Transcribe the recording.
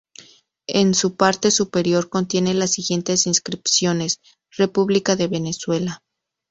En su parte superior contiene las siguientes inscripciones: “República de Venezuela.